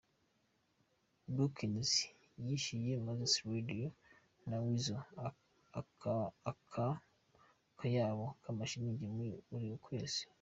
Bobkins yishyuye Mozey Radio na Weseal aka kayabo kamashilingi muri uku kwezi.